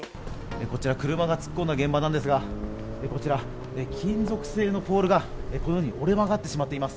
こちら車が突っ込んだ現場なんですが、こちら、金属製のポールがこのように折れ曲がってしまっています。